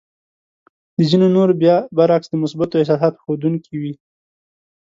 د ځينو نورو بيا برعکس د مثبتو احساساتو ښودونکې وې.